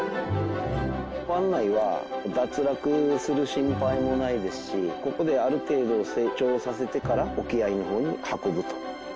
湾内は脱落する心配もないですしここである程度成長させてから沖合のほうに運ぶと。